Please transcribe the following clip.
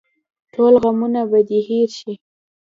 ټول غمونه به دې هېر شي.